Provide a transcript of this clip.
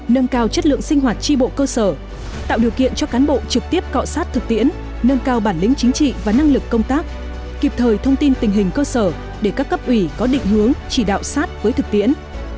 nâng cao chất lượng sinh hoạt tri bộ cơ sở tạo điều kiện cho cán bộ trực tiếp cọ sát thực tiễn nâng cao bản lĩnh chính trị và năng lực công tác kịp thời thông tin tình hình cơ sở để các cấp ủy có định hướng chỉ đạo sát với thực tiễn